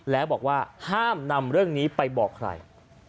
แล้วบอกว่าห้ามนำเรื่องนี้ไปบอกใคร